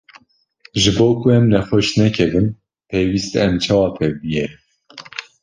Ji bo ku em nexweş nekevin, pêwîst e em çawa tev bigerin?